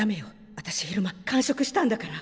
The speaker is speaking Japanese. あたし昼間間食したんだから。